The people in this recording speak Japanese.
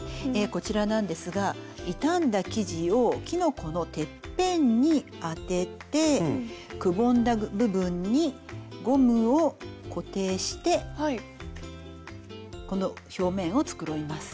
こちらなんですが傷んだ生地をキノコのてっぺんに当ててくぼんだ部分にゴムを固定してこの表面を繕います。